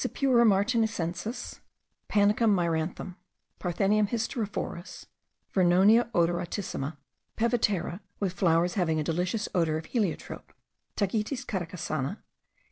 Cipura martinicensis, Panicum mieranthum, Parthenium hysterophorus, Vernonia odoratissima, (Pevetera, with flowers having a delicious odour of heliotropium), Tagetes caracasana, T.